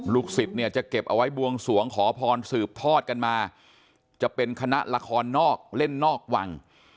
สิทธิ์เนี่ยจะเก็บเอาไว้บวงสวงขอพรสืบทอดกันมาจะเป็นคณะละครนอกเล่นนอกวัง